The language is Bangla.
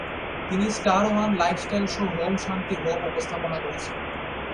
তিনি Star One lifestyle show home Shanti home উপস্থাপনা করেছেন।